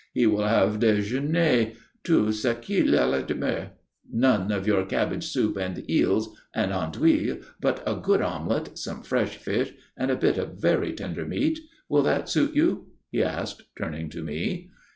He will have déjeuner tout ce qu'il y a de mieux. None of your cabbage soup and eels and andouilles, but a good omelette, some fresh fish, and a bit of very tender meat. Will that suit you?" he asked, turning to me.